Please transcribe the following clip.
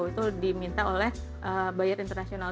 itu diminta oleh buyer internasional